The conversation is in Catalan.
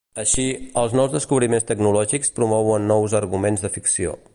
Així, els nous descobriments tecnològics promouen nous arguments de ficció.